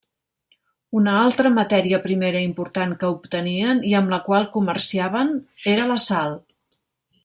Una altra matèria primera important que obtenien i amb la qual comerciaven era la sal.